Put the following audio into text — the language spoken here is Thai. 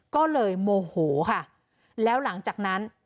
ก็เลยโมโหค่ะแล้วหลังจากนั้น